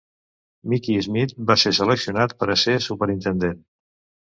Michie Smith va ser seleccionat per a ser superintendent.